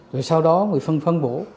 rồi sau đó người phân phân bổ